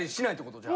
じゃあ。